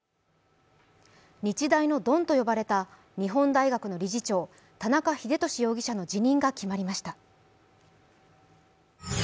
日大のドンと呼ばれた日本大学の理事長田中英寿容疑者の辞任が決まりました。